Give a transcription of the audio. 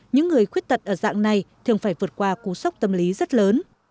những người khuyết tật ở dạng này thường phải vượt qua cú sốc tâm lý rất lớn